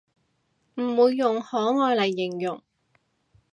唔會用可愛嚟形容